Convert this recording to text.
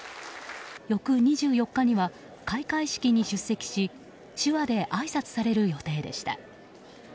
翌２４日には開会式に出席し手話であいさつされる予定でした。